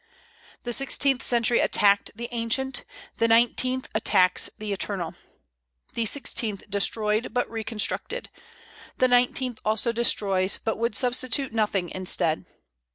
The sixteenth century attacked the ancient, the nineteenth attacks the eternal. The sixteenth destroyed, but reconstructed; the nineteenth also destroys, but would substitute nothing instead.